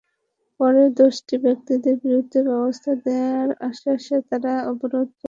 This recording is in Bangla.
পরে দোষী ব্যক্তিদের বিরুদ্ধে ব্যবস্থা নেওয়ার আশ্বাসে তাঁরা অবরোধ তুলে নেন।